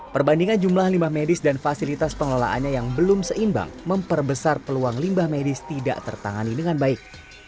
perbandingan jumlah limbah medis dan fasilitas pengelolaannya yang belum seimbang memperbesar peluang limbah medis tidak tertangani dengan baik